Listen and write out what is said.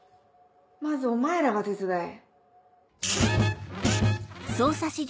まずお前らが手伝え。